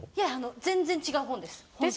全然違う本です